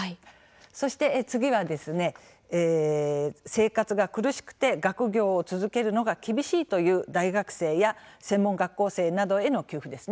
そして、次は生活が苦しくて学業を続けるのが厳しいという大学生や専門学生への給付ですね。